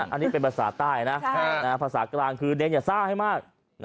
อันนี้เป็นภาษาใต้นะภาษากลางคือเดนอย่าซ่าให้มาก